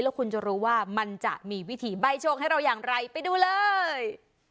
แล้วคุณจะรู้ว่ามันจะมีวิธีใบ้โชคให้เราอย่างไรไปดูเลย